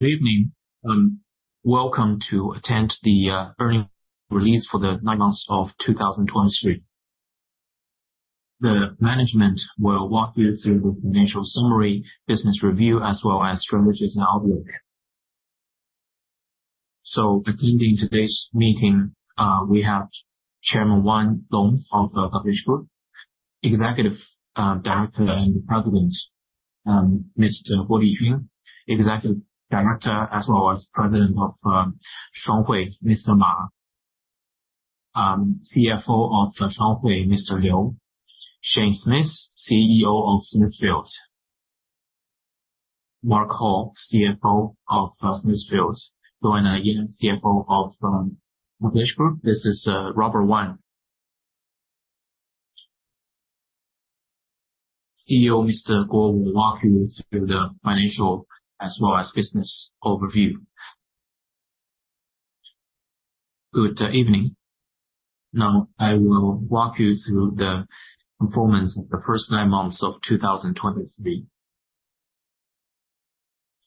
Good evening, and welcome to attend the earnings release for the nine months of 2023. The management will walk you through the financial summary, business review, as well as strategies and outlook. Attending today's meeting, we have Chairman Wan Long of the WH Group, Executive Director and President Mr. Guo Lijun, Executive Director, as well as President of Shuanghui, Mr. Ma, CFO of the Shuanghui, Mr. Liu. Shane Smith, CEO of Smithfield. Mark Hall, CFO of Smithfield. Joanna Yan, CFO of WH Group. This is Robert Wang. CEO Mr. Guo will walk you through the financial as well as business overview. Good evening. Now, I will walk you through the performance of the first nine months of 2023.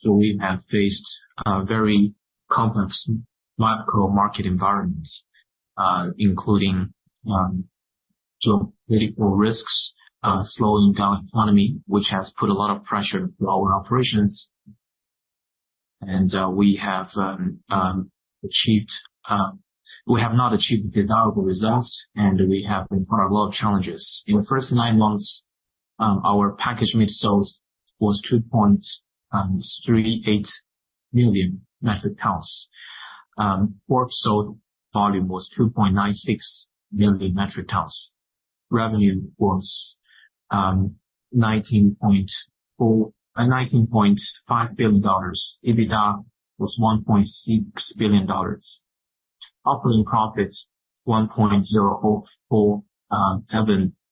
We have faced a very complex macro market environment, including geopolitical risks, slowing down economy, which has put a lot of pressure on our operations. We have not achieved desirable results, and we have encountered a lot of challenges. In the first nine months, our packaged meat sales was 2.38 million metric tons. Pork sold volume was 2.96 million metric tons. Revenue was $19.5 billion. EBITDA was $1.6 billion. Operating profits $1.04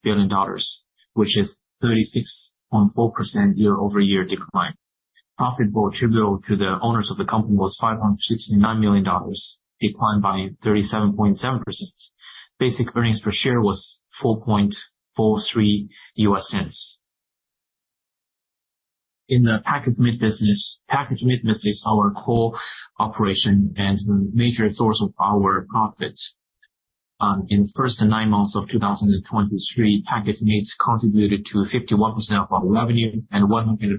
billion, which is 36.4% year-over-year decline. Profit attributable to the owners of the company was $569 million, declined by 37.7%. Basic earnings per share was $0.0443. In the packaged meat business, packaged meat business is our core operation and the major source of our profits. In the first nine months of 2023, packaged meats contributed to 51% of our revenue and 146%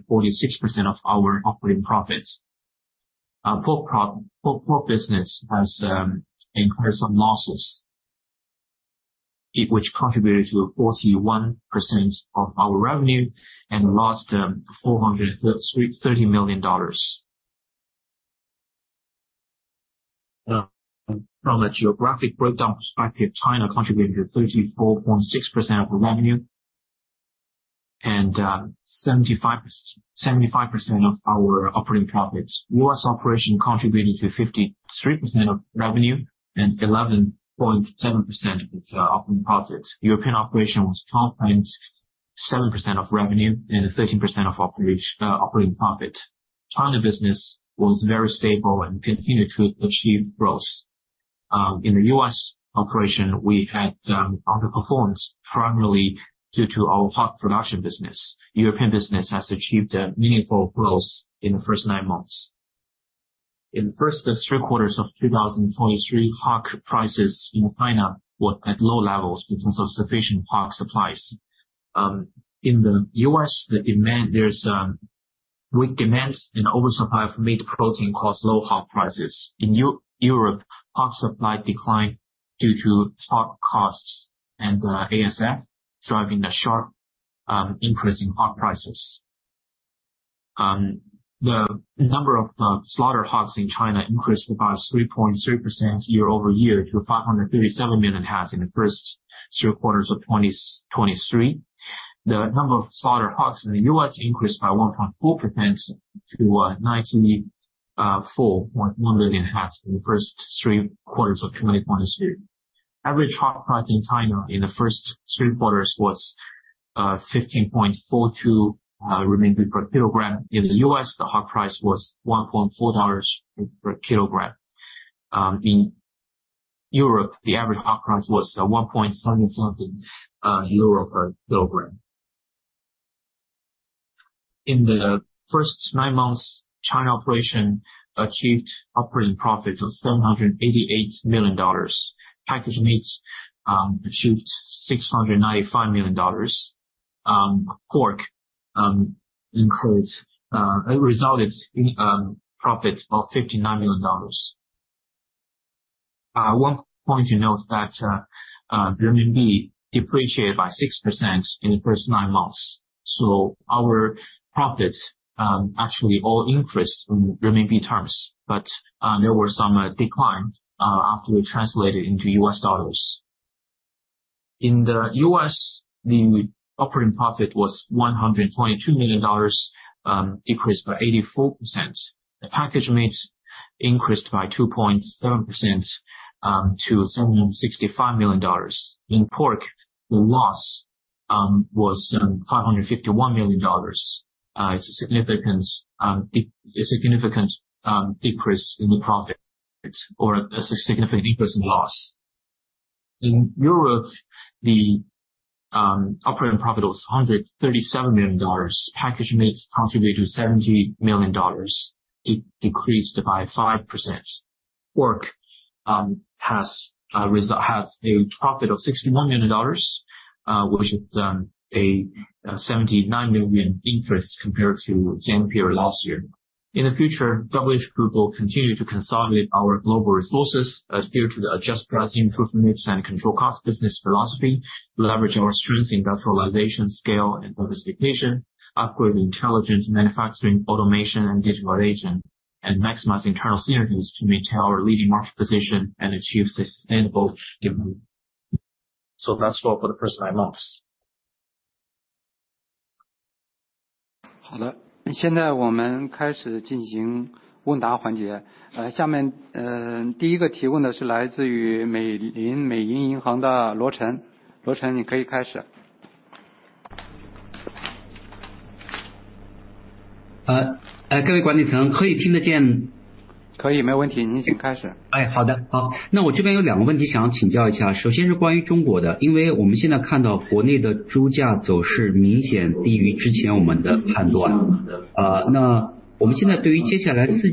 of our operating profits. Pork business has incurred some losses, which contributed to 41% of our revenue and lost $30 million. From a geographic breakdown perspective, China contributed to 34.6% of the revenue and 75% of our operating profits. U.S. operation contributed to 53% of revenue and 11.7% of operating profits. European operation was 12.7% of revenue and 13% of operating profit. China business was very stable and continued to achieve growth. In the U.S. operation, we had underperformance, primarily due to our pork production business. European business has achieved a meaningful growth in the first nine months. In the first three quarters of 2023, hog prices in China were at low levels because of sufficient hog supplies. In the U.S., the demand—there's weak demand and oversupply of meat protein caused low hog prices. In Europe, hog supply declined due to hog costs and ASF, driving a sharp increase in hog prices. The number of slaughter hogs in China increased by 3.3% year-over-year to 537 million heads in the first three quarters of 2023. The number of slaughter hogs in the U.S. increased by 1.4% to 94.1 million heads in the first three quarters of 2022. Average hog price in China in the first three quarters was 15.42 per kg. In the U.S., the hog price was $1.4 per kg. In Europe, the average hog price was EUR 1.77 per kg. In the first nine months, China operation achieved operating profits of $788 million. Packaged meats achieved $695 million. Pork increased. It resulted in profit of $59 million. One point to note that renminbi depreciated by 6% in the first nine months. So our profits, actually all increased in renminbi terms, but, there were some decline after we translated into US dollars. In the US, the operating profit was $100.2 million, decreased by 84%. The packaged meats increased by 2.7%, to $765 million. In pork, the loss was $551 million. It's a significant decrease in the profit or a significant increase in loss. In Europe, the operating profit was $137 million. Packaged meats contribute to $70 million, decreased by 5%. Pork has a profit of $61 million, which is a $79 million increase compared to same period last year. In the future, WH Group will continue to consolidate our global resources, adhere to the adjusted pricing, improvement and cost control business philosophy, leverage our strengths, industrialization, scale and diversification, upgrade intelligent manufacturing, automation and digitalization, and maximize internal synergies to maintain our leading market position and achieve sustainable development. So that's all for the first nine months. Okay, now we begin the Q&A session. Next, the first question is from Chen Luo of Merrill Lynch. Chen Luo, you can begin. 各位管理层可以听得见？ 可以，没问题，您请开始。Okay, good. I have two questions I would like to ask. First, regarding China, because we are now seeing that domestic hog prices are clearly lower than our previous judgment. What is our current outlook for hog prices in the fourth quarter? Also, our packaged meats profitability in China is at the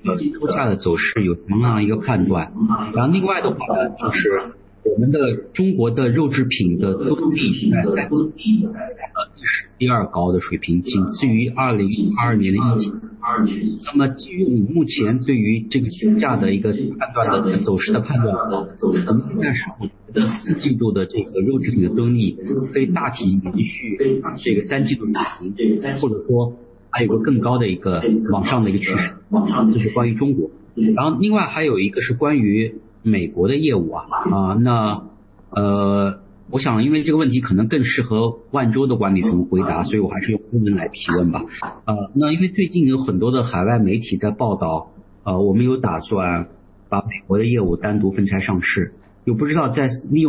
second highest level, only behind the 2020 pandemic. Based on your current judgment of the hog price trend, should we expect packaged meats profitability in the fourth quarter to generally continue the trend of the third quarter, or is there an upward trend? This is regarding China. Additionally, I have a question about the U.S. business. I think this question may be more suitable for WH Group management to answer, so I will ask in Chinese. Recently, there have been many overseas media reports that we are considering spinning off the U.S. business for a separate listing. Is it possible for management to comment on this at this occasion? In the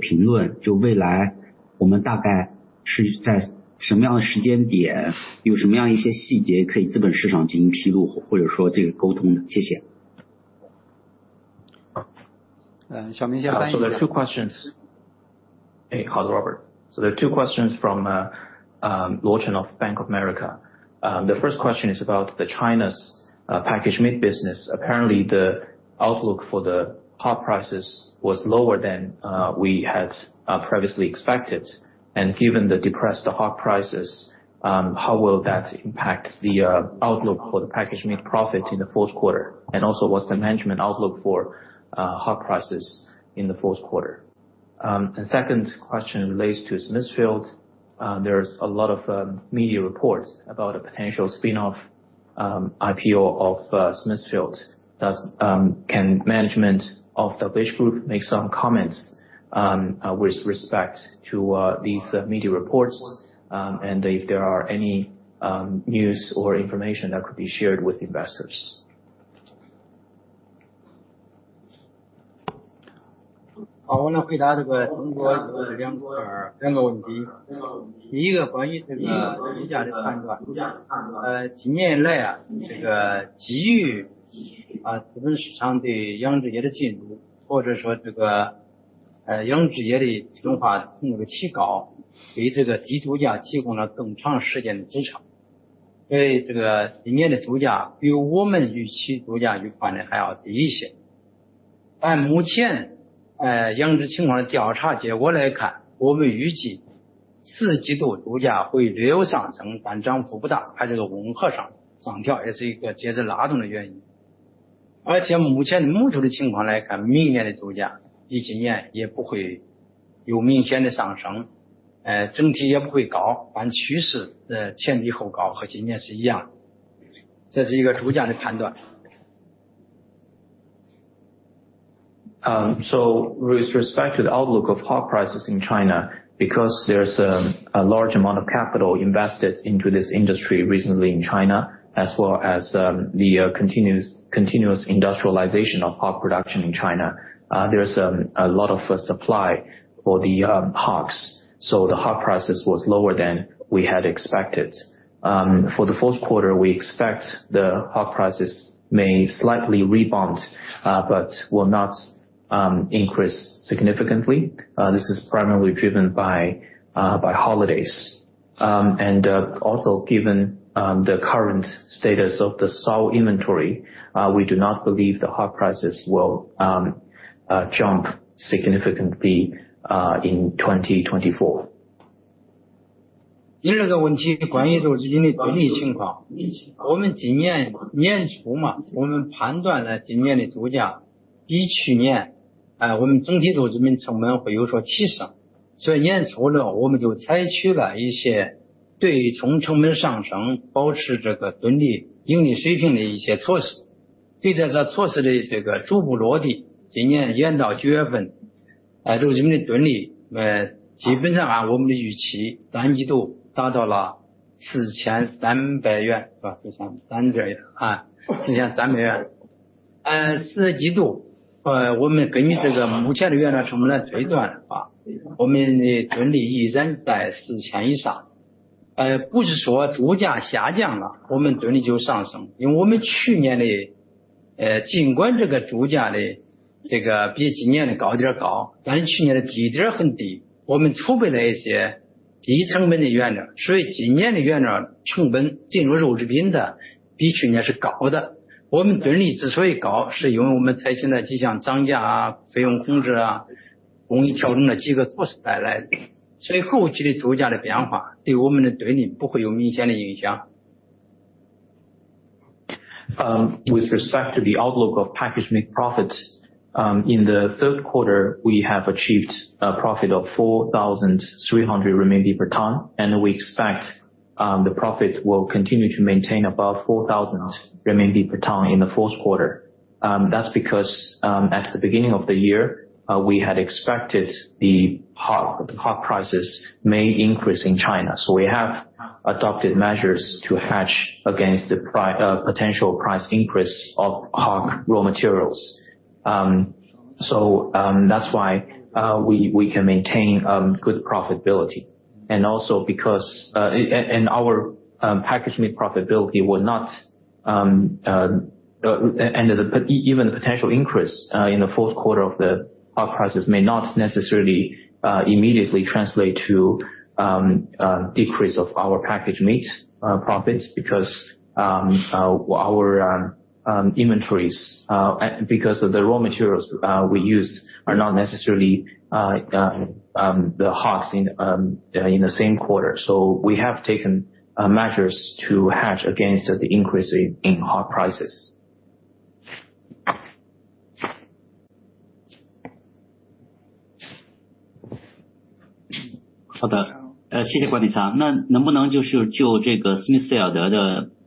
future, around what time point and what details can be disclosed to the capital market, or communicated? Thank you. Xiaoming, next. So there are two questions. Hey, Robert. So there are two questions from Chen Luo of Bank of America. The first question is about China's packaged meats business. Apparently the outlook for the pork prices was lower than we had previously expected. And given the depressed pork prices, how will that impact the outlook for the packaged meats profit in the fourth quarter? And also what's the management outlook for pork prices in the fourth quarter? The second question relates to Smithfield. There's a lot of media reports about a potential spin-off IPO of Smithfield. Can management of the WH Group make some comments with respect to these media reports and if there are any news or information that could be shared with investors? 好，我来回答中国这两个问题，第一个关于这个猪价的判断。近年来，资本市场对养殖业的进入，或者说养殖业的集中化程度的提高，对这个猪价提供了更长时间的支撑，使得今年的猪价比我们预期猪价预判的还要低一些。按目前，养殖情况的调查结果来看，我们预计四季度猪价会有所上升，但涨幅不大，还有这个农历春节也是一个节日拉动的因素。而且目前的情况来看，明年的猪价比今年也不会有明显的上升，整体也不会高，整体趋势，前低后高，和今年是一样，这是一个猪价的判断。So with respect to the outlook of pork prices in China, because there's a large amount of capital invested into this industry recently in China, as well as the continuous industrialization of pork production in China, there's a lot of supply for the pork. So the pork prices was lower than we had expected. For the fourth quarter, we expect the pork prices may slightly rebound, but will not increase significantly. This is primarily driven by holidays. And also given the current status of the sow inventory, we do not believe the pork prices will jump significantly in 2024. 第二个问题关于肉制品的盈利情况。我们今年年初，我们判断了今年的猪价比去年，我们整体肉制品成本会有所提升，所以年初，我们就采取了一些对冲成本上升，保持这个盈利水平的一些措施，随着这些措施的逐步落地，今年一到九月份，肉制品的盈利，基本上按我们的预期，三季度达到了4,300 With respect to the outlook of packaged meat profits. In the third quarter, we have achieved a profit of 4,300 renminbi per ton, and we expect the profit will continue to maintain above 4,000 renminbi per ton in the fourth quarter. That's because at the beginning of the year, we had expected the pork prices may increase in China, so we have adopted measures to hedge against the potential price increase of pork raw materials. So, that's why we can maintain good profitability and also because and our packaged meat profitability will not... Even the potential increase in the fourth quarter of the pork prices may not necessarily immediately translate to decrease of our packaged meat profits, because our inventories because of the raw materials we use are not necessarily the hogs in the same quarter. So we have taken measures to hedge against the increase in pork prices.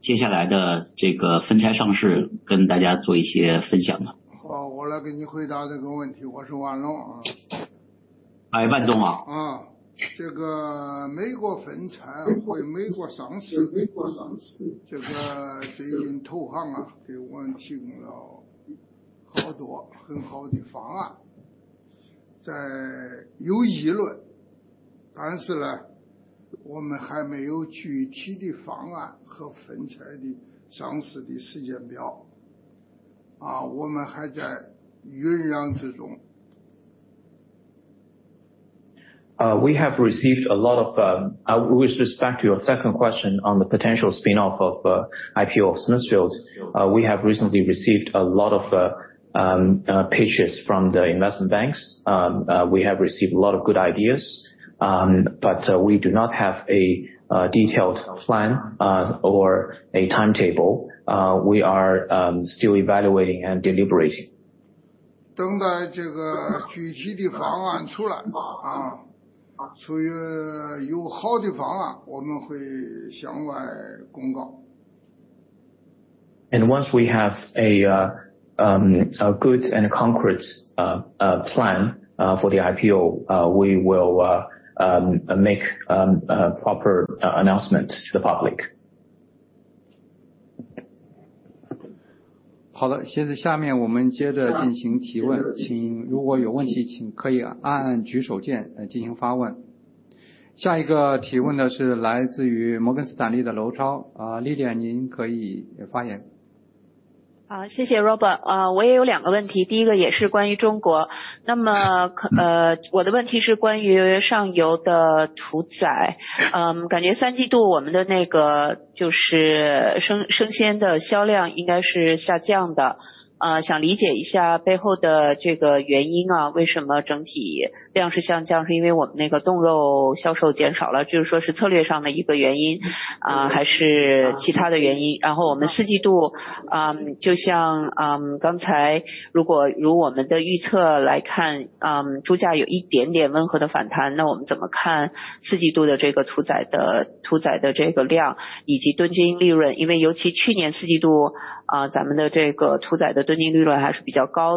好的，谢谢管理层。那能不能就是就这个Smithfield的接下来的这个拆分上市跟大家做一些分享呢？ 好，我来给你回答这个问题，我是万隆啊。Ai, Wan Zong ah. 啊，这个美国拆分或美国上市，美国上市，这个最近投行啊，给我们提供了好多很好的方案，在有议论，但是呢，我们还没有具体的方案和拆分上市的时间表，啊，我们还在酝酿之中。With respect to your second question on the potential spin-off of IPO of Smithfield, we have recently received a lot of pitches from the investment banks.e have received a lot of good ideas, but we do not have a detailed plan or a timetable. We are still evaluating and deliberating. 等待这个具体的方案出来，啊，所以有好的方案，我们会向外公告。Once we have a good and concrete plan for the IPO, we will make a proper announcement to the public. Okay, next we will proceed with questions. If you have any questions, please press the raise hand button to ask. The next question is from Lillian Lou of Morgan Stanley. Ah, Lillian, you can speak. Thank you, Robert. I also have two questions. The first one is also about China. My question is about upstream slaughtering. It seems in the third quarter, our fresh pork sales volume should have declined. I want to understand the reason behind this. Why is the overall volume down? Is it because our frozen pork sales decreased, meaning it is a strategic reason, or is it due to other reasons? For the fourth quarter, if we look at our forecast, if hog prices have a slight moderate rebound, how do we view the slaughtering volume and the net profit per ton in the fourth quarter? Especially since last year's fourth quarter, our net profit per ton for slaughtering was relatively high. So how do we see our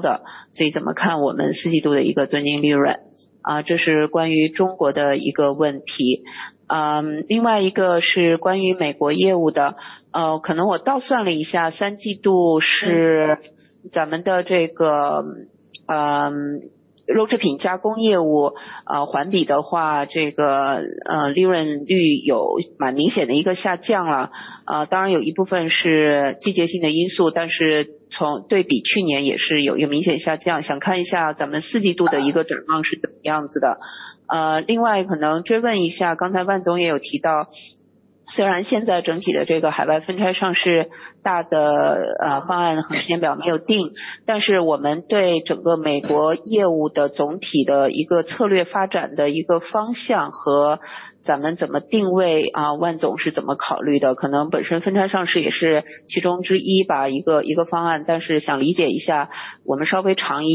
net profit per ton in the fourth quarter? This is a question about China. The other question is about the U.S. business. I did some calculations, and in the third quarter, our packaged meats business, quarter-over-quarter, the profit margin had a rather significant decline. Of course, part of it is due to seasonal factors, but compared to last year, there is also a clear decline. I want to see what the trend will be in the fourth quarter. Also, a follow-up, just now Chairman Wan Long also mentioned, although currently the overall overseas spin-off listing plan and timetable have not been set, how do we view the overall strategic development direction for the U.S. business and how do we position it? What are Chairman Wan Long's considerations? Perhaps the spin-off listing itself is one of the options. I just want to understand, looking a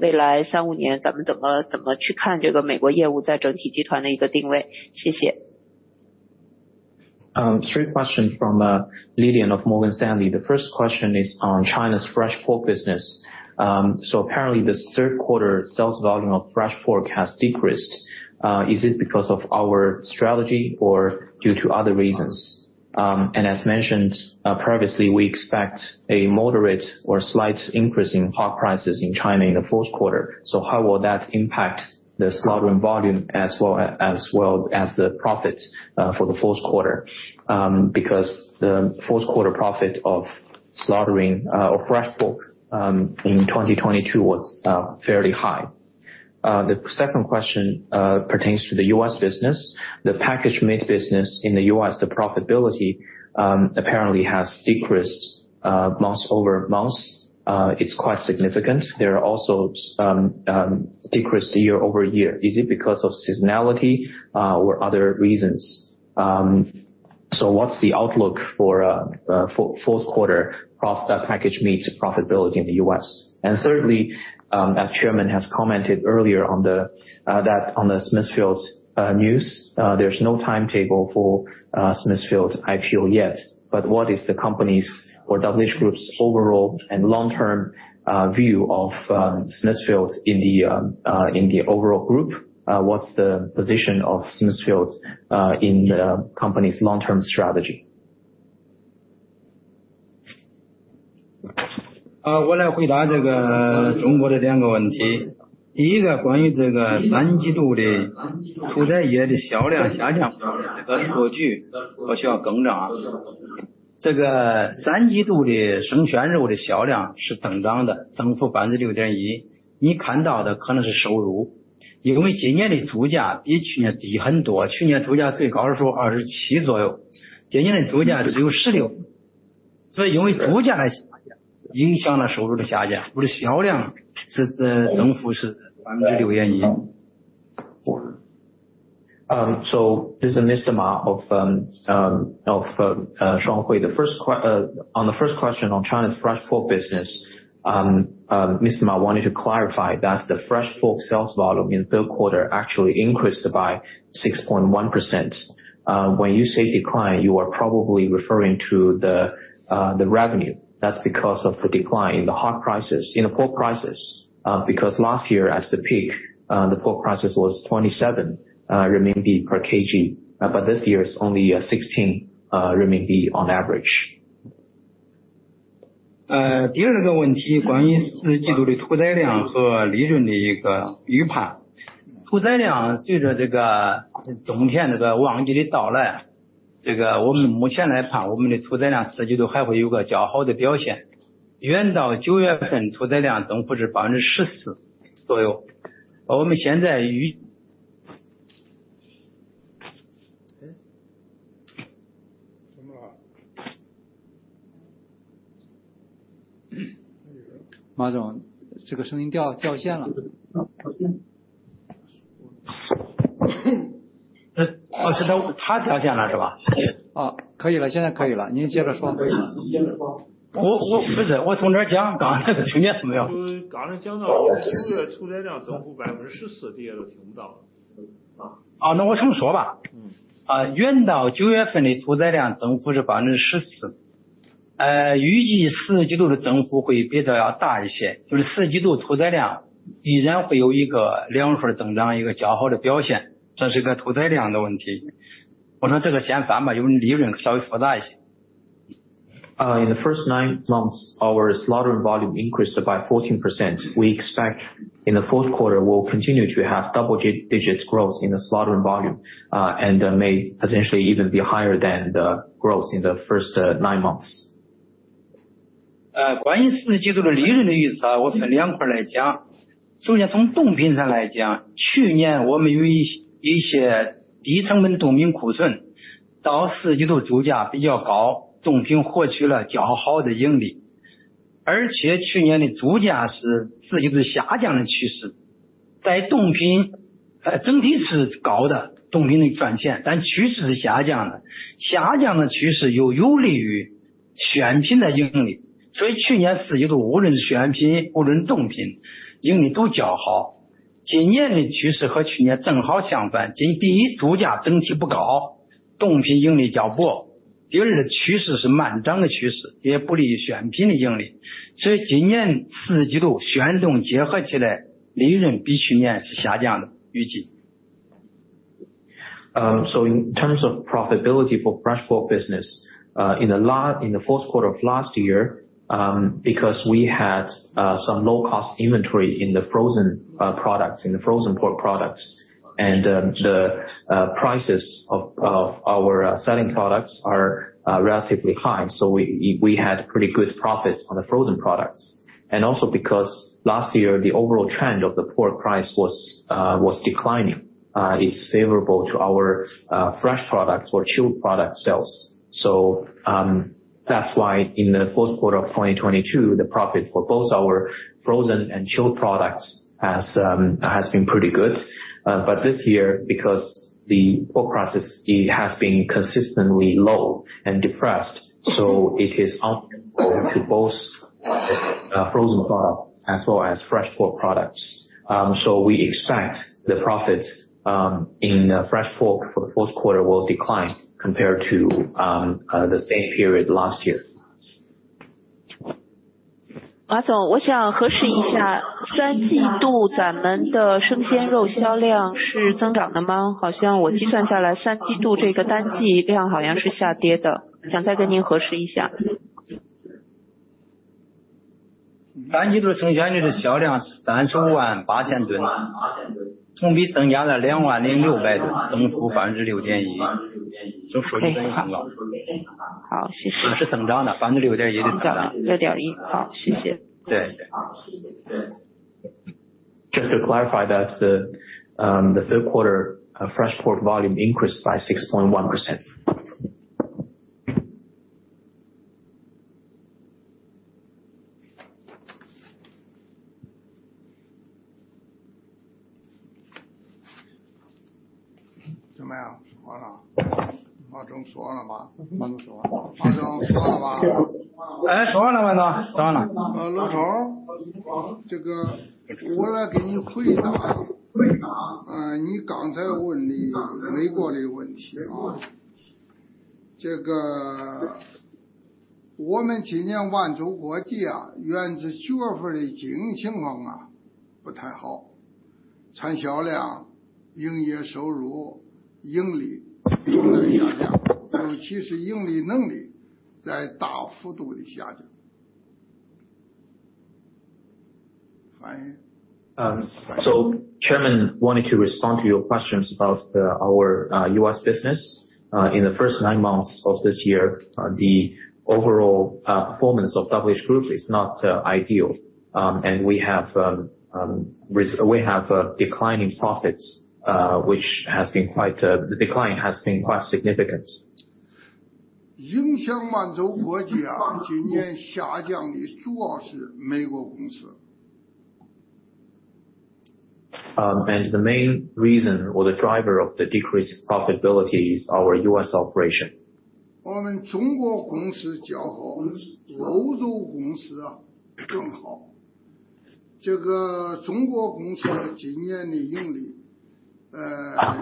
bit longer term, in the next three to five years, how do we view the positioning of the U.S. business within the overall group? Thank you. Three questions from Lillian of Morgan Stanley. The first question is on China's fresh pork business. Apparently, the third quarter sales volume of fresh pork has decreased. Is it because of our strategy or due to other reasons? As mentioned previously, we expect a moderate or slight increase in pork prices in China in the fourth quarter. How will that impact the slaughtering volume as well as the profits for the fourth quarter? Because the fourth quarter profit of slaughtering or fresh pork in 2022 was fairly high. The second question pertains to the U.S. business. The packaged meat business in the U.S., the profitability apparently has decreased month-over-month. It's quite significant. There are also decreased year-over-year. Is it because of seasonality, or other reasons? So what's the outlook for fourth quarter packaged meats profitability in the U.S.? And thirdly, as chairman has commented earlier on the Smithfield's news, there's no timetable for Smithfield IPO yet, but what is the company's or WH Group's overall and long-term view of Smithfield in the overall group? What's the position of Smithfield in the company's long-term strategy? Uh, So this is Mr. Ma of Shuanghui. On the first question on China's fresh pork business, Mr. Ma wanted to clarify that the fresh pork sales volume in third quarter actually increased by 6.1%. When you say decline, you are probably referring to the revenue. That's because of the decline in the hog prices, in the pork prices, because last year, as the peak, the pork prices was 27 RMB per kg, but this year it's only CNY 16 on average. In the first nine months, our slaughtering volume increased by 14%. We expect in the fourth quarter, we'll continue to have double digits growth in the slaughtering volume, and may potentially even be higher than the growth in the first nine months. So in terms of profitability for fresh pork business, in the fourth quarter of last year, because we had some low-cost inventory in the frozen products, in the frozen pork products, and the prices of our selling products are relatively high. So we had pretty good profits on the frozen products. And also because last year, the overall trend of the pork price was declining. It's favorable to our fresh products or chilled product sales. So that's why in the fourth quarter of 2022, the profit for both our frozen and chilled products has been pretty good. But this year, because the pork prices, it has been consistently low and depressed, so it is unfavorable to both frozen products as well as fresh pork products. We expect the profits in the fresh pork for the fourth quarter will decline compared to the same period last year. Mr. Ma, I want to confirm, in the third quarter, was our fresh pork sales volume growing? It seems like when I calculated it, the single-quarter volume in the third quarter seemed to be declining. I wanted to confirm this with you again. 三季度生鲜肉的销量是35.8万吨，同比增加了2.06万吨，增长6.1%。就数据很高。好，谢谢。是增长的，6.1%的增长。6.1, good, thank you. 对。Just to clarify that, the third quarter fresh pork volume increased by 6.1%. 怎么样？好了。马总说了吗？马总说完了。马总说完了。哎，说完了，马总，说完了。啊，老曹，这个我来给你回答。你刚才问的美国的问题。这个，我们今年万洲国际啊，Smithfield的经营情况啊，不太好，产销量、营业收入、利润都在下降，特别是盈利能力在大幅度地下降。翻译。So chairman wanted to respond to your questions about our U.S. business. In the first nine months of this year, the overall performance of WH Group is not ideal, and we have a declining profits, which has been quite a... the decline has been quite significant. 影响万洲国际啊，今年下降的主要是美国公司。The main reason or the driver of the decreased profitability is our U.S. operation. 我们中国公司较好，欧洲公司啊，更好。这个中国公司今年的盈利，仍然保持了一位数的增长，按人民币计算，它增长6%，按美元计算的话，它增长1.7%。但是我们欧洲公司啊，今年是亏。Our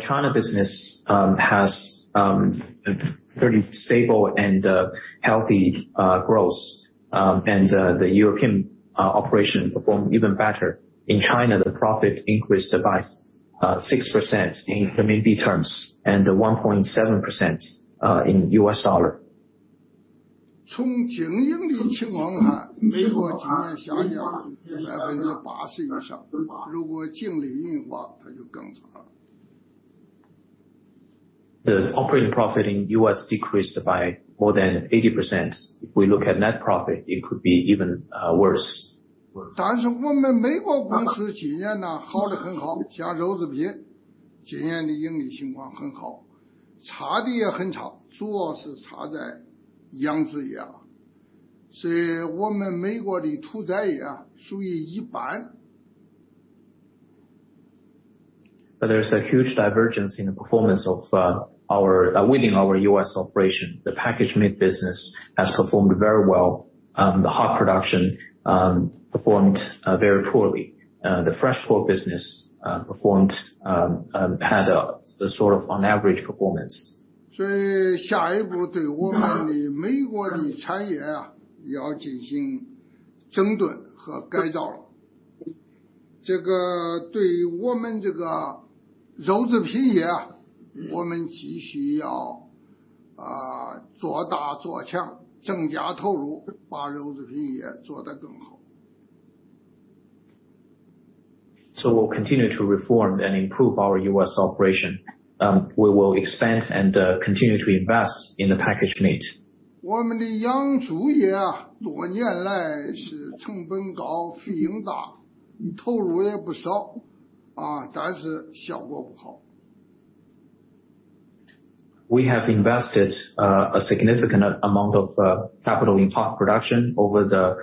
China business has a very stable and healthy growth. The European operation performed even better. In China, the profit increased by 6% in RMB terms and 1.7% in U.S. dollar. 从经营的情况看，美国今年下降了80%以上，如果净利润的话，它就更差了。The operating profit in U.S. decreased by more than 80%. If we look at net profit, it could be even worse. 但是我们美国公司今年呢好得很好，像肉制品，今年的盈利情况很好，差的也很好差，主要 是差在养殖业啊。所以我们美国的屠宰业啊，属于一般。There's a huge divergence in the performance of our U.S. operation. The packaged meats business has performed very well. The hog production performed very poorly. The fresh pork business performed, had a sort of on average performance. 所以下一步对我们的美国的产业，要进行整顿和改造。这个对我们这个肉制品业，我们继续要，做大做强，增加投入，把肉制品业做得更好。So we'll continue to reform and improve our U.S. operation. We will expand and continue to invest in the packaged meat. 我们的养猪业啊，多年来是成本高，负盈大，投入也不少，啊，但是效果不好。We have invested a significant amount of capital in pork production over the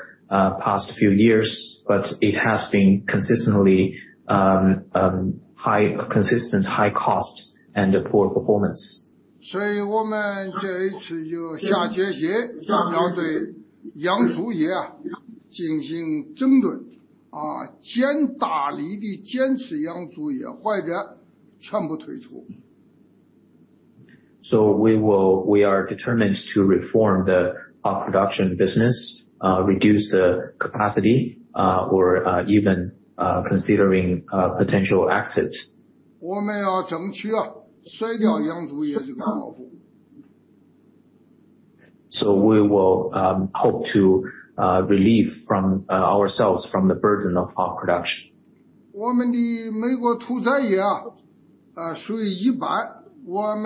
past few years, but it has been consistently high, consistent high costs and poor performance. 所以我们这一次就下决心，要对养猪业进行整顿，坚定地坚持养猪业，坏的全部退出。We are determined to reform the production business, reduce the capacity, or even considering potential exits. 我们争取啊，甩掉养猪业这个包袱。So we will hope to relieve ourselves from the burden of our production. 我们的美国屠宰业啊，属于一般，我们CEO调整以后了，现在比较好。所以对于屠宰业今后的发展呢，我们还是很有信心，我们要逐步地完善啊屠宰业，通过技术改造啊，产业升级啊，提高这个屠宰业的盈利能力。...The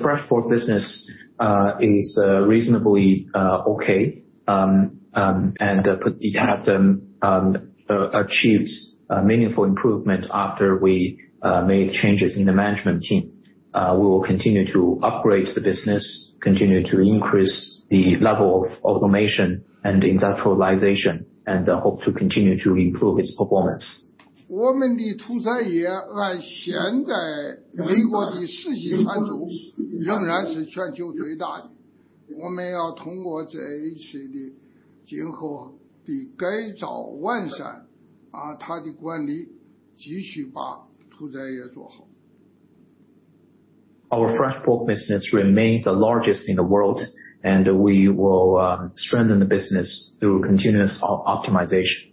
fresh pork business is reasonably OK, and it had achieved a meaningful improvement after we made changes in the management team. We will continue to upgrade the business, continue to increase the level of automation and industrialization, and hope to continue to improve its performance. 我们的屠宰业按现在美国的实际产出仍然是全球最大的。我们要通过这一系列的，今后的改造完善，它的管理，继续把屠宰业做好。Our fresh pork business remains the largest in the world, and we will strengthen the business through continuous optimization.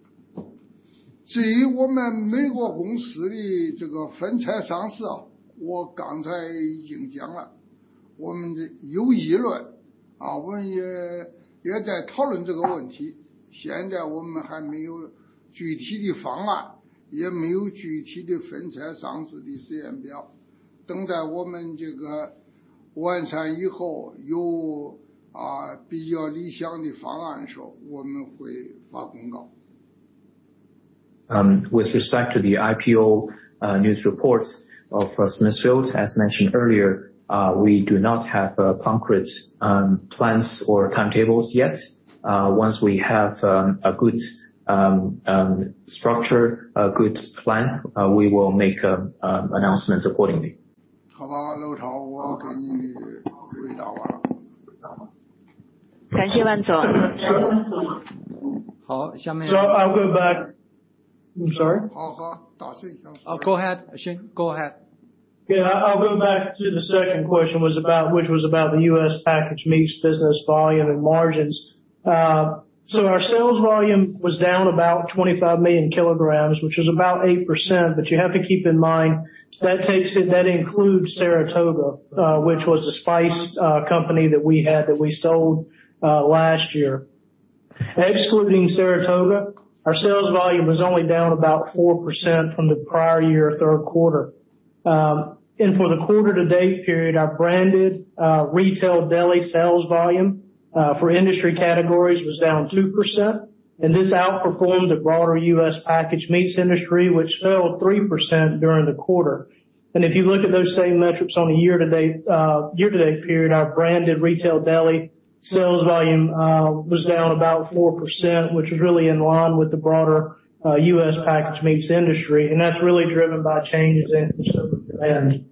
至于我们美国公司的这个分拆上市，我刚才已经讲了，我们有议论，我们也在讨论这个问题。现在我们还没有具体的方案，也没有具体的分拆上市的时间表。等待我们这个完善以后，有比较理想的方案的时候，我们会发公告。With respect to the IPO news reports of Smithfield, as mentioned earlier, we do not have concrete plans or timetables yet. Once we have a good structure, a good plan, we will make announcement accordingly. 好吧，露草，我给你回答完，回答完。感谢万总。好，下面 - So I'll go back... I'm sorry? 好，好，打字。go ahead, go ahead. Yeah, I'll go back to the second question was about, which was about the U.S. packaged meats, business volume and margins. So our sales volume was down about 25 million kilograms, which is about 8%, but you have to keep in mind that takes, that includes Saratoga, which was a spice company that we had that we sold last year. Excluding Saratoga, our sales volume was only down about 4% from the prior year, third quarter. And for the quarter to date period, our branded retail deli sales volume for industry categories was down 2%, and this outperformed the broader U.S. Packaged Meats industry, which fell 3% during the quarter. And if you look at those same metrics on a year to date, year to date period, our branded retail deli sales volume was down about 4%, which is really in line with the broader U.S. Packaged Meats industry, and that's really driven by changes in and...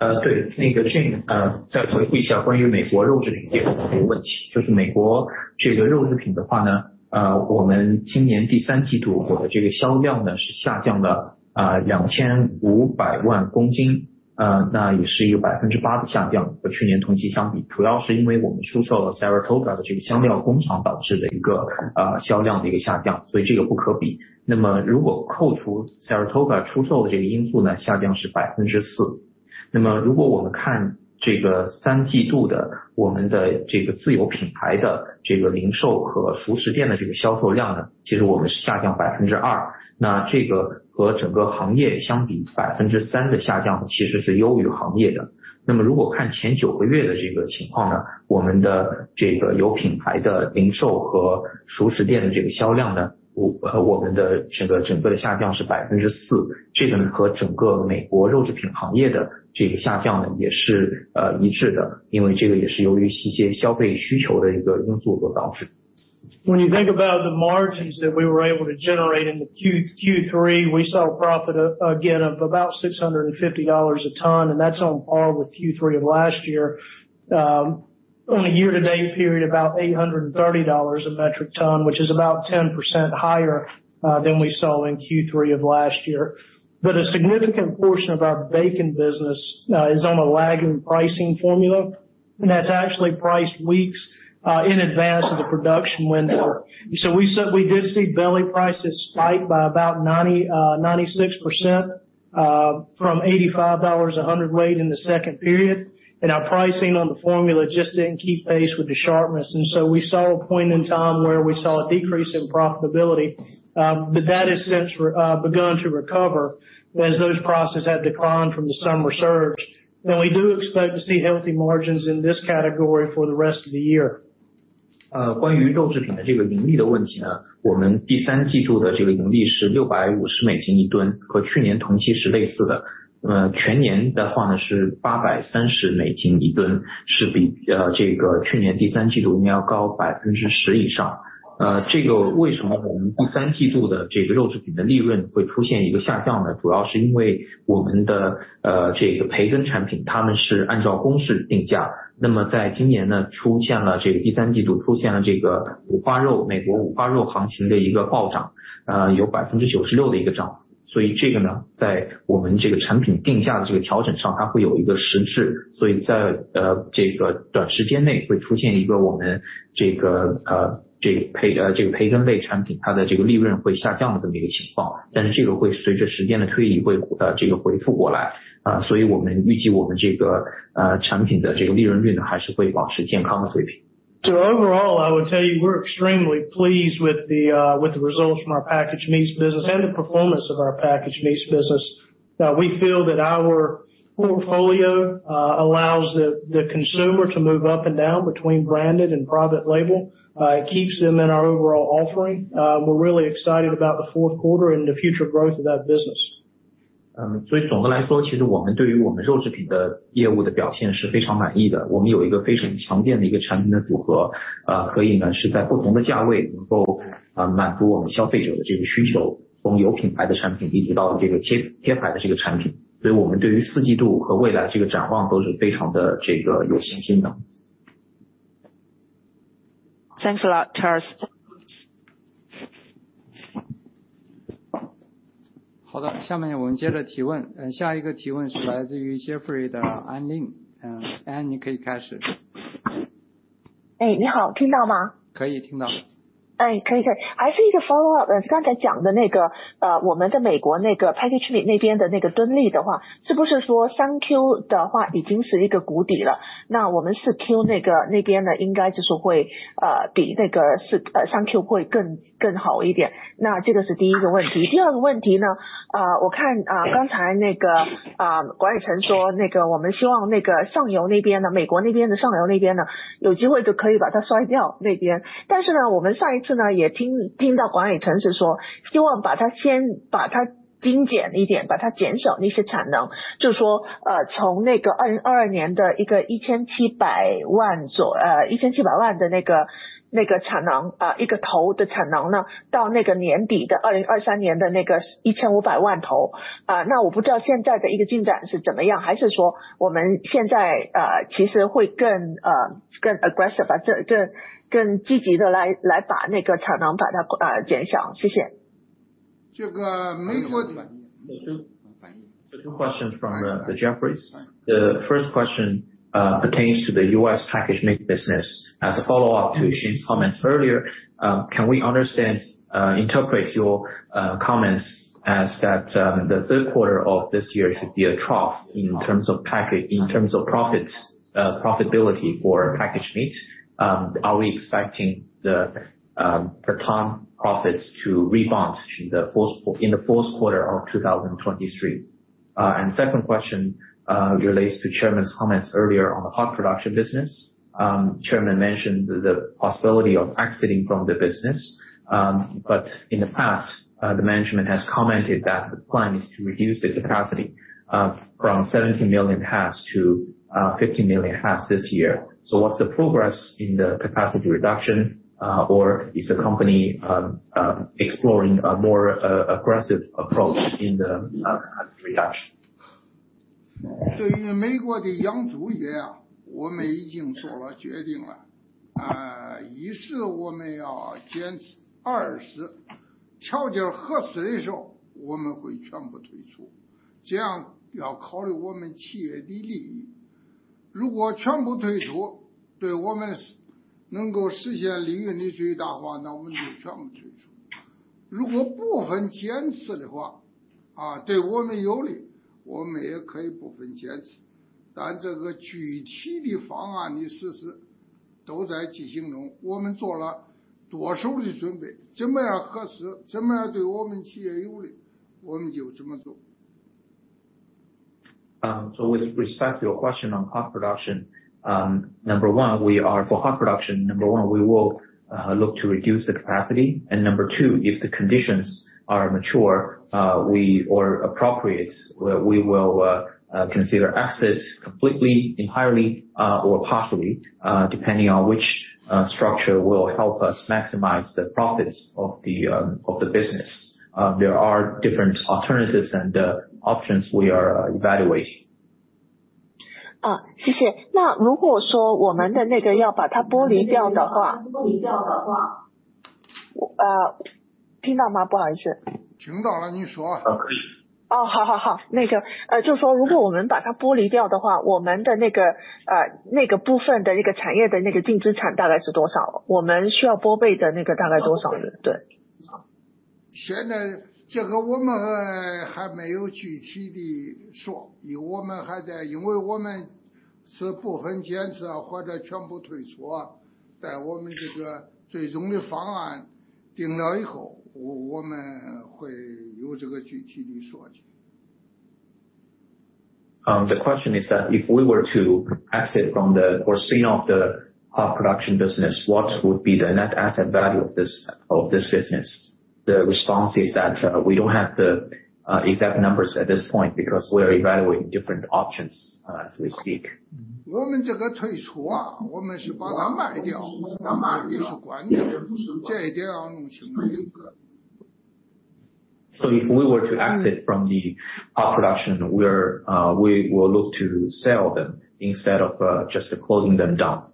Yes, Shane, let's review again the question about US packaged meats. For US packaged meats, our third quarter sales this year declined by 25 million pounds, which is an 8% decline compared to the same period last year, mainly because we sold Saratoga's spice factory, leading to a decline in sales, so this is not comparable. So if we exclude Saratoga's sale factor, the decline is 4%. Then if we look at this third quarter, our own brand's retail and deli store's sales volume, actually we declined 2%, and this compared to the entire industry, 3% decline is actually better than the industry. Then if we look at the first nine months' situation, our branded retail and deli store's sales volume, our overall decline is 4%, and this and the entire US packaged meats industry's decline is also consistent, because this is also due to some consumer demand factors. When you think about the margins that we were able to generate in Q3, we saw a profit again of about $650 a ton, and that's on par with Q3 of last year. On a year-to-date period, about $830 a metric ton, which is about 10% higher than we saw in Q3 of last year. A significant portion of our bacon business is on a lagging pricing formula, and that's actually priced weeks in advance of the production window. We did see belly prices spike by about 96%, from $85 a hundredweight in the second period. Our pricing on the formula just didn't keep pace with the sharpness. We saw a point in time where we saw a decrease in profitability, but that has since begun to recover as those prices have declined from the summer surge. We do expect to see healthy margins in this category for the rest of the year. Regarding the profit issue of packaged meats, our third quarter profit was $650 per ton, similar to the same period last year. For the full year, it was $830 per ton, which is more than 10% higher than last year's third quarter. Why did our third quarter packaged meats profit decline? Mainly because our bacon products are priced according to formula, and this year in the third quarter there was a sharp rise in the US pork belly market price, a 96% increase. So in our product pricing adjustment, there is a time lag, so in the short term there will be a situation where our bacon category products' profit will decline like this, but this will recover over time. So we expect our product's profit margin to remain at a healthy level. So overall, I would tell you, we're extremely pleased with the results from our Packaged Meats business and the performance of our Packaged Meats business. We feel that our portfolio allows the consumer to move up and down between branded and private label. It keeps them in our overall offering. We're really excited about the fourth quarter and the future growth of that business. 所以总的来说，其实我们对于我们肉制品的业务的表现是非常满意的，我们有一个非常强大的一个产品的组合，可以呢，是在不同的价位能够，满足我们消费者的这个需求，从有品牌的产品一直到这个贴牌的这个产品。所以我们对于四季度和未来这个展望都是非常的这个有信心的。Thanks a lot, Charles. 好的，下面我们接着提问。下一个提问是来自于Jefferies的Anne Ling，Ann，你可以开始。哎，你好，听得到吗？ 可以听到。还是一个 follow up，刚才讲的那个，我们的美国那个 package 那边的那一个 敦利的话，是不是说 3Q 的话已经是谷底了，那我们 4Q 那边呢，应该就是会，比那个四... 1700万的那个，那个产能，一个头的产能呢，到那个年底的2023年的那个1500万头，那我不知道现在的 一个进展是怎么样的，还是说我们现在，其实会更，更aggressive，更，更积极地来，来把那个产能把它，减少。谢谢。This U.S. Two questions from Jefferies. The first question pertains to the U.S. packaged meat business. As a follow-up to Xin's comments earlier, can we understand, interpret your comments as that the third quarter of this year is to be a trough in terms of packaged, in terms of profitability for packaged meats? Are we expecting the per ton profits to rebound in the fourth quarter of 2023? And second question relates to chairman's comments earlier on the pork production business. Chairman mentioned the possibility of exiting from the business, but in the past, the management has commented that the plan is to reduce the capacity from 70 million heads to 50 million heads this year. So what's the progress in the capacity reduction, or is the company exploring a more aggressive approach in the reduction? 对于美国的养猪业，我们已经做了决定了，一是我们要坚持，二是条件合适的时候，我们会全部退出，这样要考虑我们企业的利益。如果全部退出，对我们是能够实现利润的最大化，那我们就全部退出。如果部分坚持的话，对我们有利，我们也可以部分坚持，但这个具体的方案的实施都在进行中，我们做了多手的准备，怎么样合适，怎么样对我们企业有利，我们就怎么做。So with respect to your question on pork production, number one, we are for hog production. Number one, we will look to reduce the capacity. And number two, if the conditions are mature or appropriate, we will consider assets completely, entirely or partially, depending on which structure will help us maximize the profits of the business. There are different alternatives and options we are evaluating. 现在这个我们还没有具体地说，我们还在，因为我们是部分坚持或者全部退出，但我们这个最终的方案定了以后，我们会有这个具体的说起。The question is that if we were to exit from the or spin off the pork production business, what would be the net asset value of this, of this business? The response is that we don't have the exact numbers at this point because we are evaluating different options, as we speak. 我们这个退出啊，我们是把它卖掉，把它卖掉是关键，这一点要弄清。If we were to exit from the pork production, we will look to sell them instead of just closing them down.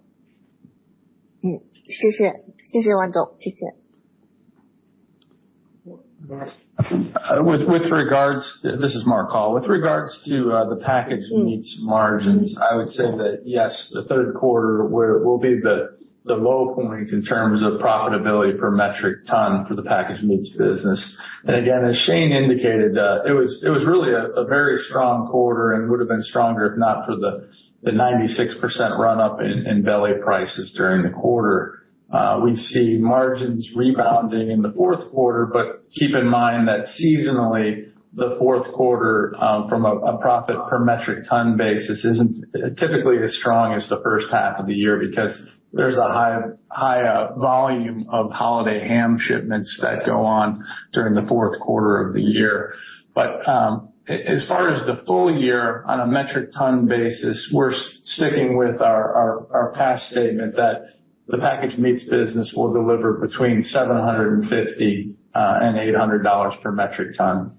Thank you, thank you Chairman Wan Long, thank you! Last- With regards to—this is Mark Hall. With regards to the packaged meats margins, I would say that yes, the third quarter will be the low point in terms of profitability per metric ton for the packaged meats business. And again, as Shane indicated, it was really a very strong quarter and would have been stronger if not for the 96% run-up in belly prices during the quarter. We see margins rebounding in the fourth quarter, but keep in mind that seasonally, the fourth quarter, from a profit per metric ton basis, isn't typically as strong as the first half of the year, because there's a high volume of holiday ham shipments that go on during the fourth quarter of the year. But, as far as the full year on a metric ton basis, we're sticking with our past statement that the packaged meats business will deliver between $750 and $800 per metric ton.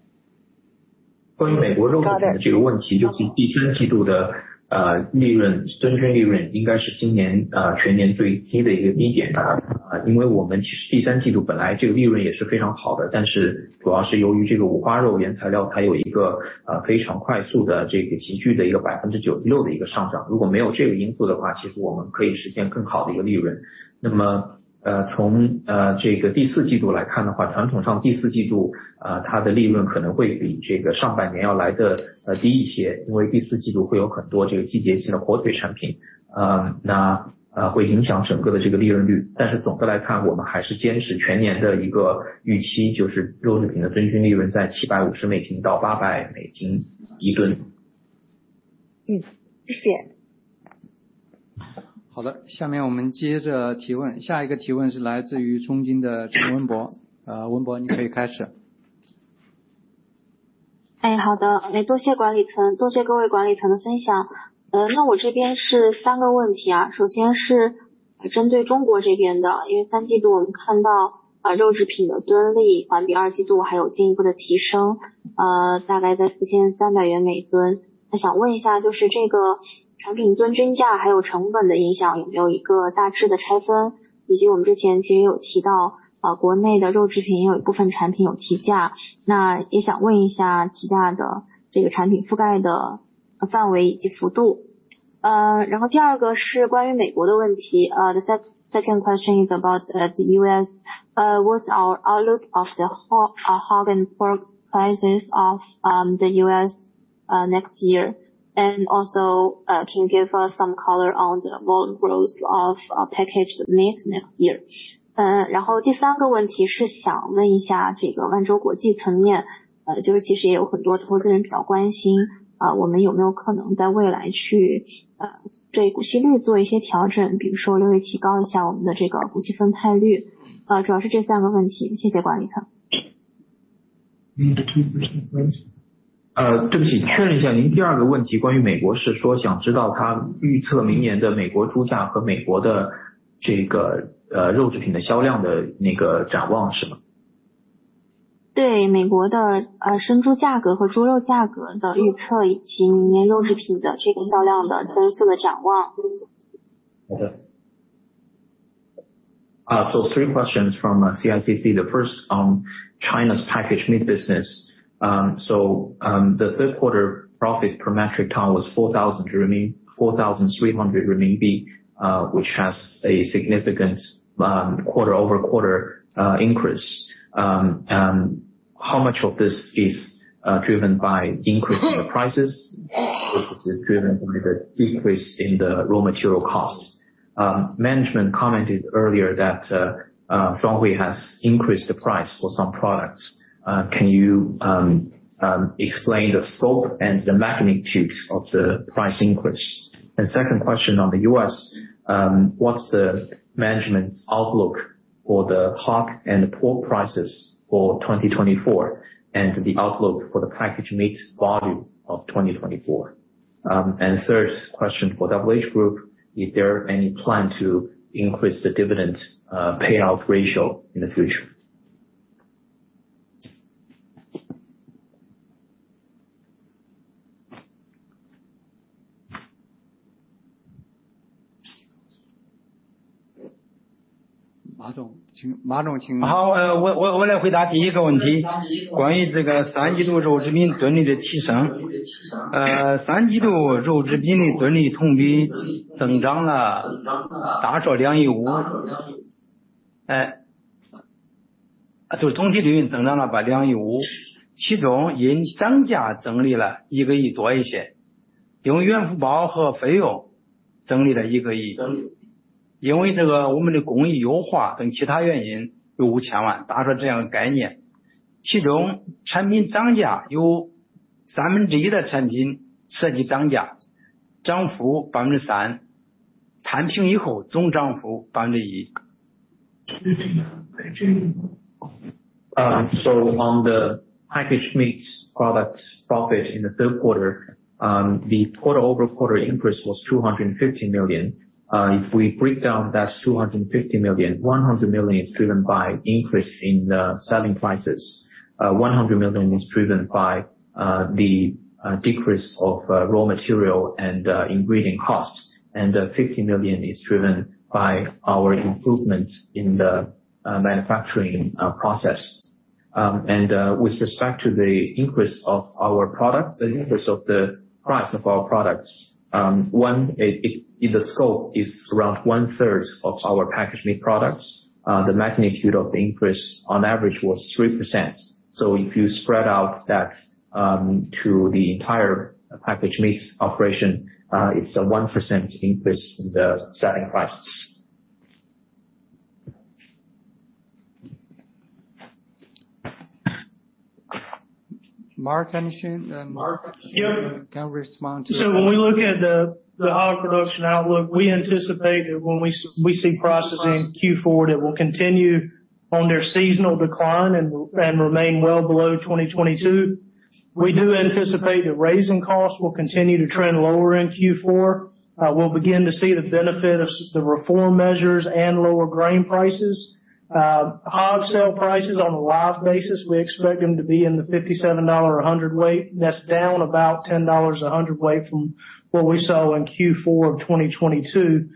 好的，下面我们接着提问。下一个提问是来自于中金的陈文博。文博，你可以开始。4,300每吨。那想问一下，就是这个产品吨增价，还有成本的影响有没有一个大致的拆分？以及我们之前其实也有提到，国内的肉制品也有一部分产品有提价，那也想问一下提价的这个产品覆盖的范围以及幅度。然后第二个是关于美国的问题，the second question is about the US, what's our outlook of the hog and pork prices of the US next year? And also, can you give us some color on the volume growth of packaged meats next year? 然后第三个问题是想问一下，这个万洲国际层面，就是其实也有很多投资者比较关心，我们有没有可能在未来去，对股息率做一些调整，比如说略微提高一下我们的这个股息分配率。主要就是这三个问题，谢谢管理层。对不起，确认一下，您第二个问题关于美国，是说想知道它预测明年的美国猪价和美国的这个，肉制品的销量的那个展望是吗？ 对，美国的生猪价格和猪肉价格的预测，以及明年肉制品的这个销量的增速的展望。Okay. So three questions from CICC. The first on China's packaged meat business. So, the third quarter profit per metric ton was 4,000 renminbi—4,300 RMB, which has a significant quarter-over-quarter increase. How much of this is driven by increasing the prices? Driven by the decrease in the raw material costs? Management commented earlier that Shuanghui has increased the price for some products. Can you explain the scope and the magnitude of the price increase? And second question on the U.S., what's the management's outlook for the hog and pork prices for 2024, and the outlook for the packaged meats volume of 2024? And third question for WH Group, is there any plan to increase the dividend payout ratio in the future? 马总，马总，请。好，我来回答第一个问题，关于这个第三季度肉制品吨利的提升，... In the third quarter, the profit per ton of packaged meats increased year-over-year, reaching $250 million. The profit for the same period increased by $250 million. Of this, price increases contributed more than $100 million in profit, and savings from raw materials, packaging, and expenses contributed $100 million. Due to our process optimization and other reasons, there was $50 million, reaching this level. Among the products, one-third experienced price increases, with an average increase of 3%. After averaging, the total increase was 1%. On the Packaged Meats products profit in the third quarter, the quarter-over-quarter increase was $250 million. If we break down, that's $250 million, $100 million is driven by increase in the selling prices, $100 million is driven by the decrease of raw material and ingredient costs, and $50 million is driven by our improvement in the manufacturing process.... and with respect to the increase of our products, the increase of the price of our products, if the scope is around one third of our packaged meat products, the magnitude of the increase on average was 3%. So if you spread out that to the entire packaged meats operation, it's a 1% increase in the selling prices. Mark, I'm sure Mark- Yeah. Can respond to that. So when we look at the hog production outlook, we anticipate that when we see prices in Q4, that will continue on their seasonal decline and remain well below 22. We do anticipate that raising costs will continue to trend lower in Q4. We'll begin to see the benefit of the reform measures and lower grain prices. Hog sale prices on a live basis, we expect them to be in the $57 a hundredweight. That's down about $10 per hundredweight from what we saw in Q4 of 2022.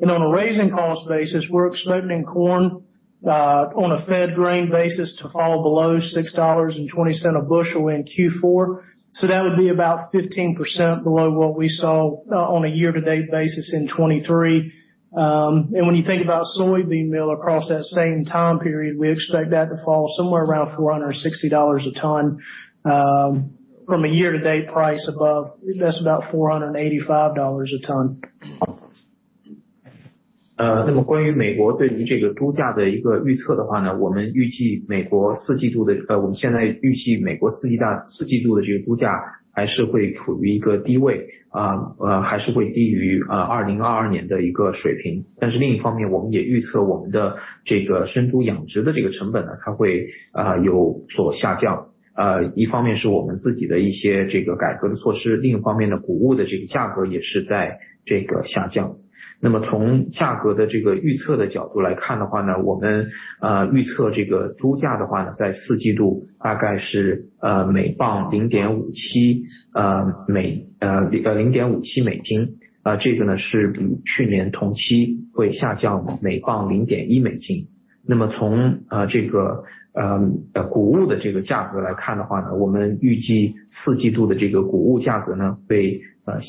And on a raising cost basis, we're expecting corn, on a fed grain basis to fall below $6.20 a bushel in Q4. So that would be about 15% below what we saw, on a year-to-date basis in 2023. And when you think about soybean meal across that same time period, we expect that to fall somewhere around $460 a ton, from a year-to-date price above, that's about $485 a ton. 那么，关于美国对于这个猪价的一个预测的话呢，我们预计美国第四季度的... 我们现在预计美国第四季度，第四季度的猪价还是会处于一个低位，还是会低于2022年的一个水平。但是另一方面，我们也预测我们的生猪养殖的成本会有所下降。一方面是我们自己的改革措施，另一方面，谷物的价格也是在下降。那么从价格预测的角度来看，我们预测猪价在第四季度大概是每磅$0.57，这个比去年同期会下降每磅$0.1。那么从谷物的价格来看，我们预计第四季度的谷物价格会下降到六... For corn, it will drop to $6.2 per bushel. This compared to our first three quarters' price level will have a 15% drop. For soybean meal, we expect it to drop to below $460 per ton, while our first nine months is per ton.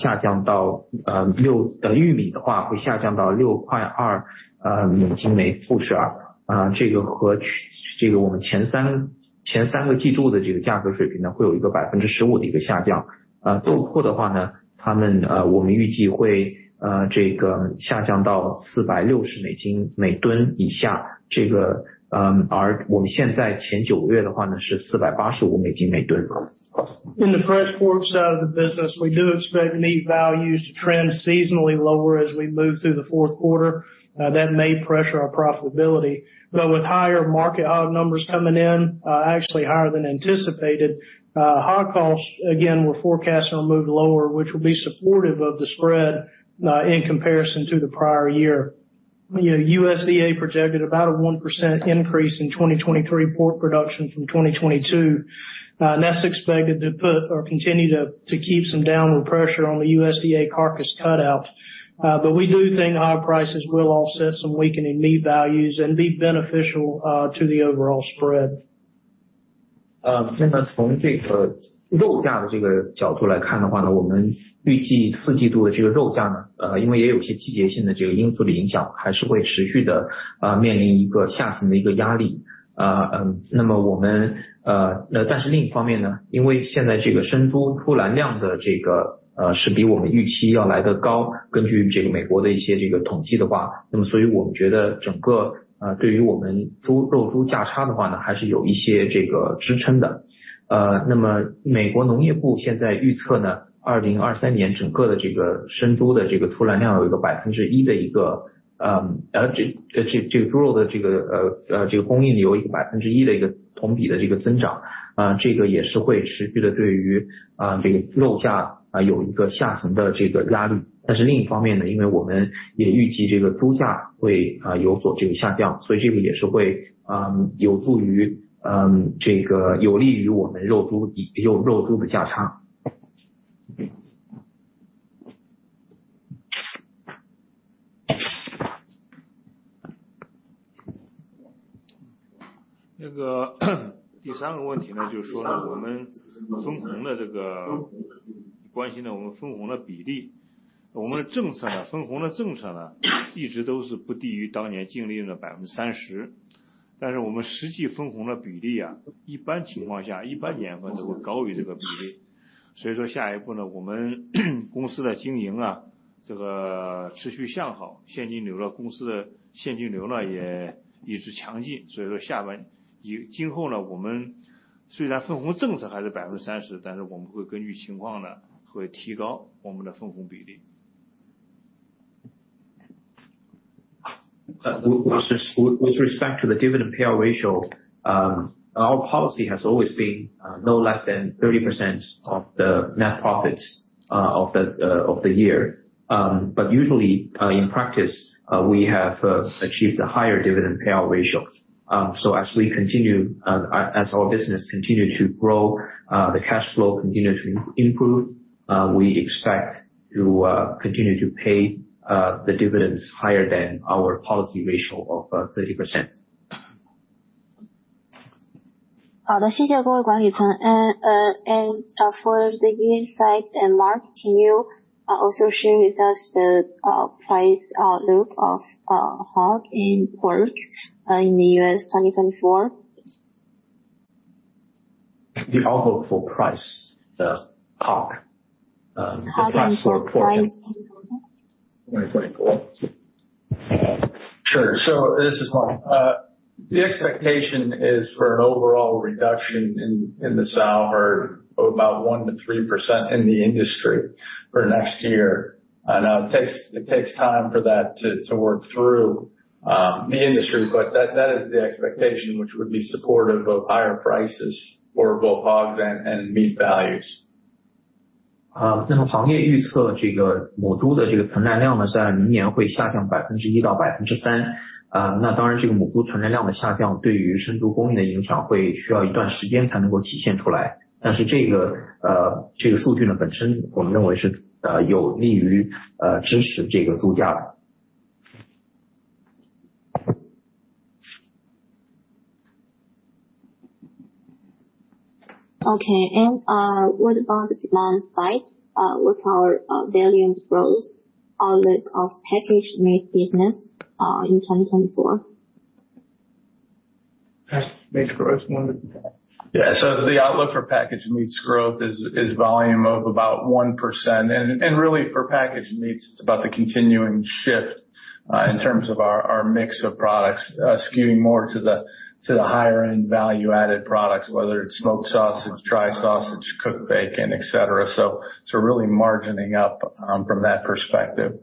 In the fresh pork side of the business, we do expect meat values to trend seasonally lower as we move through the fourth quarter. That may pressure our profitability, but with higher market hog numbers coming in, actually higher than anticipated, hog costs, again, we're forecasting will move lower, which will be supportive of the spread, in comparison to the prior year. USDA projected about a 1% increase in 2023 pork production from 2022. And that's expected to put or continue to keep some downward pressure on the USDA Carcass Cutout. But we do think our prices will offset some weakening meat values and be beneficial, to the overall spread. So, from the perspective of this meat price, we expect the meat price in the fourth quarter, because there are also some seasonal factors' influence, will still continue to face a downward pressure. Then, we... 但是另一方面呢，因为现在这个生猪出栏量的这个，是比我们预期要来得高，根据这个美国的一些这个统计的话，那么所以我们觉得整个，对于我们猪—肉猪价差的话呢，还是有一些这个支撑的。那么美国农业部现在预测呢，2023年整个的这个生猪的这个出栏量有一个1%的同比的这个增长，这个也是会持续地对于，这个肉价，有一个下行的这个压力。但是另一方面呢，因为我们也预计这个猪价会，有所这个下降，所以这个也是会，有助于，这个有利于我们肉猪，肉猪的价差。那个，第三个问题呢，就是说我们分红的这个--关心呢，我们分红的比例。我们的政策呢，分红的政策呢，一直都是不低于当年净利润的百分之三十，但是我们实际分红的比例啊，一般情况下，一般年份都会高于这个比例。所以说下一步呢，我们公司的经营啊，这个持续向好，现金流了，公司的现金流呢也一直强劲，所以说下半，以--今后呢，我们虽然分红政策还是百分之三十，但是我们会根据情况呢，会提高我们的分红比例。With respect to the dividend payout ratio, our policy has always been no less than 30% of the net profits of the year. But usually, in practice, we have achieved a higher dividend payout ratio. So as our business continues to grow, the cash flow continues to improve, we expect to continue to pay the dividends higher than our policy ratio of 30%. 好的，谢谢各位管理层。And for the US side and Mark, can you also share with us the price look of hog and pork in the US 2024? The outlook for price, the hog, Pork price。Twenty twenty-four。Sure. So this is Mark. The expectation is for an overall reduction in the sow herd of about 1%-3% in the industry for next year. And now it takes time for that to work through the industry, but that is the expectation which would be supportive of higher prices for both hogs and meat values. 那么，行业预测这个母猪的存栏量呢，在明年会下降1%-3%。那么，当然这个母猪存栏量的下降，对于生猪供应的影响会需要一段时间才能体现出来。但是，这个数据本身我们认为是有利于支持这个猪价的。Okay, and what about the demand side? What's our volume growth, outlet of packaged meat business, in 2024? Packaged meats growth. Yeah, so the outlook for packaged meats growth is volume of about 1%. Really, for packaged meats, it's about the continuing shift in terms of our mix of products, skewing more to the higher end value added products, whether it's smoked sausage, dry sausage, cooked bacon, etc. So really margining up from that perspective.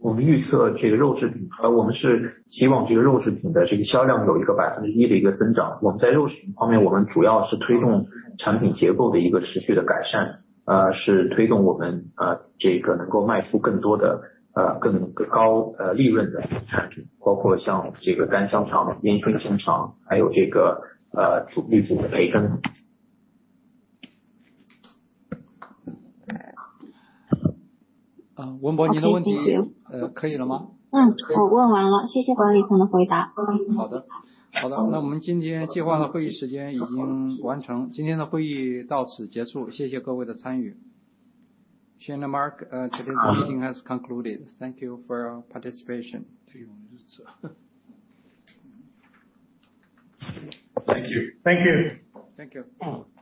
我们预测这个肉制品，我们是希望这个肉制品的这个销量有一个1%的增长。我们在肉制品方面，我们主要是推动产品结构的一个持续的改进，是推动我们，这个能够卖出更多的，更高，利润的产品，包括像这个干香肠、烟熏香肠，还有这个，主力组的培根。呃，文博，你的问题可以了吗？ 我问完了，谢谢管理层的回答。好的，好的，那么我们今天计划的会议时间已经完成，今天的会议到此结束，谢谢各位的参与。Shane and Mark, today's meeting has concluded. Thank you for your participation. Thank you。Thank you! Thank you。